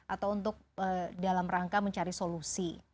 atau untuk dalam rangka mencari solusi